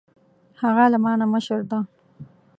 هغه له ما نه مشر ده